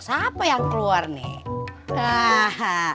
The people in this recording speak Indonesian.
siapa yang keluar nih